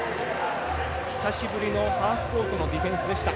久しぶりのハーフコートのディフェンスでした。